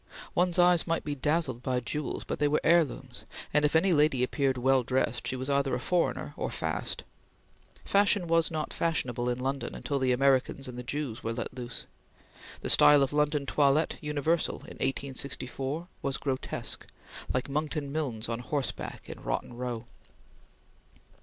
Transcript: One's eyes might be dazzled by jewels, but they were heirlooms, and if any lady appeared well dressed, she was either a foreigner or "fast." Fashion was not fashionable in London until the Americans and the Jews were let loose. The style of London toilette universal in 1864 was grotesque, like Monckton Milnes on horseback in Rotten Row.